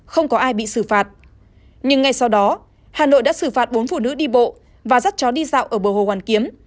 không có ai bị xử phạt nhưng ngay sau đó hà nội đã xử phạt bốn phụ nữ đi bộ và dắt chó đi dạo ở bờ hồ hoàn kiếm